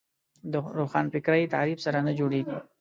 د روښانفکري تعریف سره نه جوړېږي